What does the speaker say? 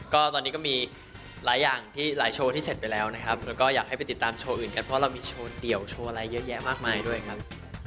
ก็ตอนนี้ก็มีหลายอย่างที่หลายโชว์ที่เสร็จไปแล้วนะครับแล้วก็อยากให้ไปติดตามโชว์อื่นกันเพราะเรามีโชว์เดี่ยวโชว์อะไรเยอะแยะมากมายด้วยครับ